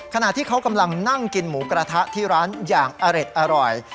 ขณะที่เขากำลังนั่งกินหมูกระทะที่ร้านอย่างอร็ดอร่อย